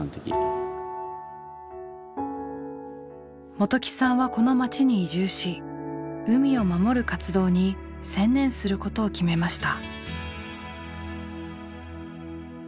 元起さんはこの町に移住し海を守る活動に専念することを決めました。